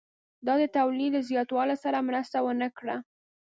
دا د تولید له زیاتوالي سره مرسته ونه کړه